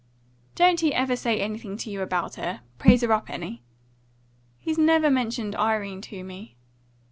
"Don't he ever say anything to you about her praise her up, any?" "He's never mentioned Irene to me."